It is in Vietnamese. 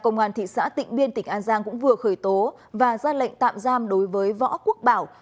cơ quan cảnh sát điều tra công an thị xã tịnh biên tỉnh an giang cũng vừa khởi tố và ra lệnh tạm giam đối với võ quốc bảo